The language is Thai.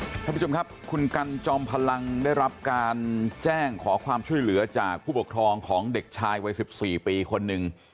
ท่านผู้ชมครับคุณกันจอมพลังได้รับการแจ้งขอความช่วยเหลือจากผู้ปกครองของเด็กชายวัย๑๔ปีคนหนึ่ง